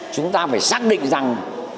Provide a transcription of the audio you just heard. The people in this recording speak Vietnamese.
chúng ta phải xác định rằng